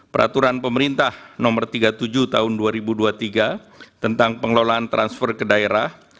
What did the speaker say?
peraturan pemerintah no tiga puluh tujuh tahun dua ribu dua puluh tiga tentang pengelolaan transfer ke daerah